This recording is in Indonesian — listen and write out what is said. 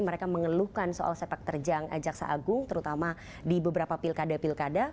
yang mengeluhkan soal sepak terjang ajak saagung terutama di beberapa pilkada pilkada